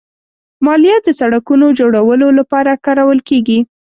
مالیه د سړکونو جوړولو لپاره کارول کېږي.